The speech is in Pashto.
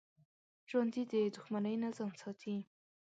ژوندي د دښمنۍ نه ځان ساتي